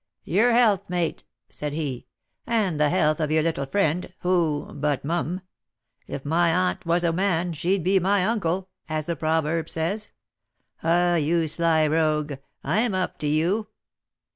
"Your health, mate," said he, "and the health of your little friend, who but mum. 'If my aunt was a man, she'd be my uncle,' as the proverb says. Ah! you sly rogue, I'm up to you!"